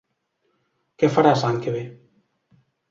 Què faràs l'any que ve?